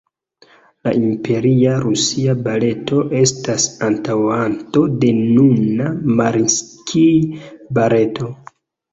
La "Imperia Rusia Baleto" estas antaŭanto de nuna "Mariinskij-Baleto".